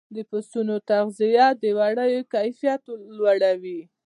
د پسونو تغذیه د وړیو کیفیت لوړوي.